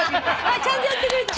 ちゃんとやってくれた。